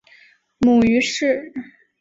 母于氏。